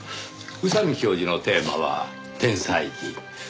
宇佐美教授のテーマは天才児。